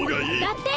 だって！